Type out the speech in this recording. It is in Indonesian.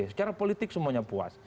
secara politik semuanya puas